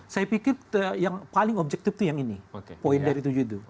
saya pikir yang paling objektif itu yang ini poin dari tujuh itu